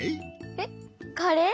へっカレー？